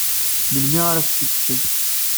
Melmi ara asen-t-id-fken?